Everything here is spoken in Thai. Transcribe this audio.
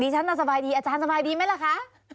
ฉันน่ะสบายดีอาจารย์สบายดีไหมล่ะคะ